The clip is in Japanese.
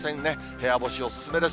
部屋干しお勧めです。